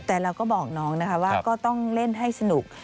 แต่เราก็บอกน้องนะคะว่าก็ต้องเล่นให้สนุก